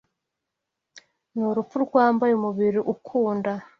ni urupfu rwambaye umubiri ukunda